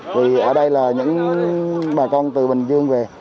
thì ở đây là những bà con từ bình dương về